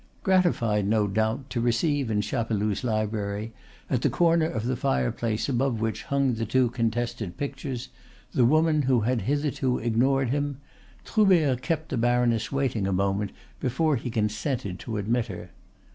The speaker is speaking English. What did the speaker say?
Gratified, no doubt, to receive in Chapeloud's library, at the corner of the fireplace above which hung the two contested pictures, the woman who had hitherto ignored him, Troubert kept the baroness waiting a moment before he consented to admit her.